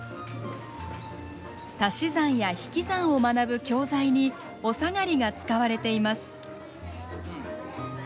足し算や引き算を学ぶ教材におさがりが使われています。